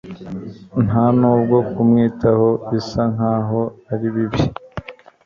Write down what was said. nta nubwo kumwitaho bisa nkaho ari bibi